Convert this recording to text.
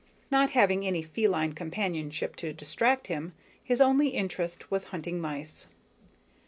Not having any feline companionship to distract him, his only interest was hunting mice.